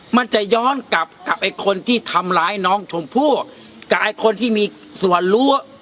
มันจะย้อนกลับกับไอ้คนที่ทำร้ายน้องชมพู่กับไอ้คนที่มีส่วนรู้